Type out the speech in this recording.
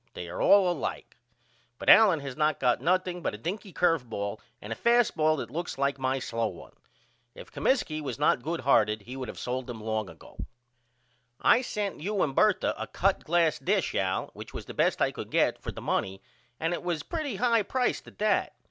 They are all alike. But Allen has not got nothing but a dinky curve ball and a fast ball that looks like my slow one. If Comiskey was not good hearted he would of sold him long ago. I sent you and Bertha a cut glass dish Al which was the best I could get for the money and it was pretty high pricet at that.